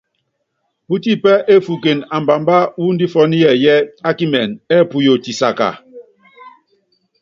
Pútiipɛ́ efuuken ambaambá wu ndífunɔ́ yɛɛyɛ́ a kimɛn ɛ́ɛ puyo tisáka.